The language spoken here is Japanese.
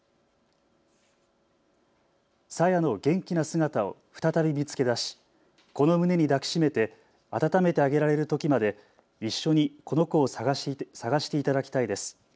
朝芽の元気な姿を再び見つけ出し、この胸に抱きしめて温めてあげられるときまで一緒にこの子を探していただきたいです。